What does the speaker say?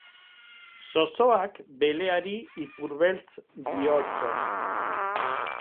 Zozoak beleari ipurbeltz diotso.